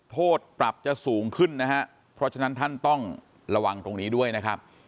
โทษปรับจะสูงขึ้นนะฮะเพราะฉะนั้นท่านต้องระวังตรงนี้ด้วยนะครับ